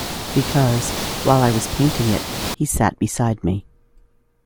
Because, while I was painting it, he sat beside me.